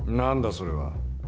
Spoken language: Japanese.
それは。